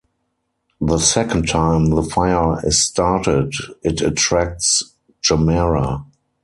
The second time the fire is started, it attracts Gamera.